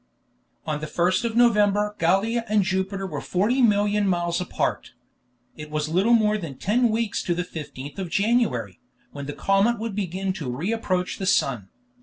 On the 1st of November Gallia and Jupiter were 40,000,000 miles apart. It was little more than ten weeks to the 15th of January, when the comet would begin to re approach the sun.